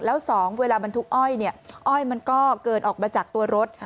แล้ว๒เวลามันทุกอ้อยอ้อยมันก็เกิดออกมาจากตัวรถ